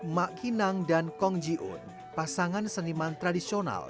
mak kinang dan kong jiun pasangan seniman tradisional